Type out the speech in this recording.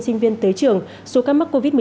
sinh viên tới trường số ca mắc covid một mươi chín